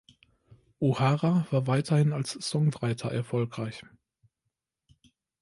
O'Hara war weiterhin als Songwriter erfolgreich.